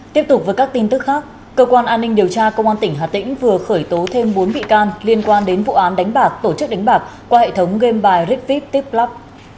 tiếp tục với các tin tức khác cơ quan an ninh điều tra công an tỉnh hà tĩnh vừa khởi tố thêm bốn bị can liên quan đến vụ án đánh bạc tổ chức đánh bạc qua hệ thống game bài rigvip tip club